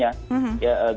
ya bisa dilakukan